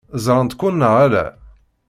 Ẓṛant-ken neɣ ala?